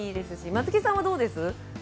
松木さんはどうです？